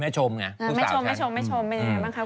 แม่ชมเป็นอะไรบ้างครับคุณมาที่นี่